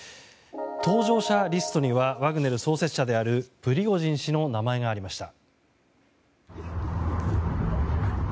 搭乗者リストにはワグネル創設者であるプリゴジン氏の名前がありました。